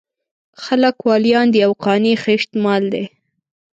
خلک واليان دي او قانع خېشت مال دی.